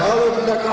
kalau kita kalah